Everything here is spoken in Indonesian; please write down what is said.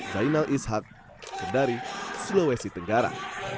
zainal ishak sendari sulawesi tenggara